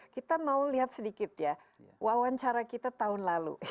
kita mau lihat sedikit ya wawancara kita tahun lalu